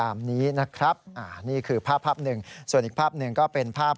กรณีนี้ทางด้านของประธานกรกฎาได้ออกมาพูดแล้ว